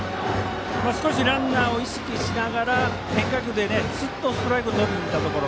少しランナーを意識しながら変化球で、スッとストライクをとりにいったところ。